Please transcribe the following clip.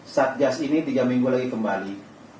satgas ini tiga minggu lagi kembali